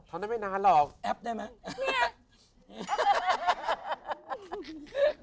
เท่านั้นไม่นานหรอกแอปได้ไหม